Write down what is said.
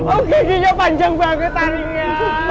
oke gini ya panjang banget tadi ya